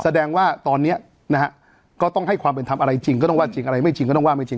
แสดงว่าตอนนี้นะฮะก็ต้องให้ความเป็นทำอะไรจริงก็ต้องว่าจริงอะไรไม่จริงก็ต้องว่าไม่จริง